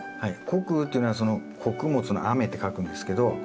穀雨というのは穀物の雨って書くんですけど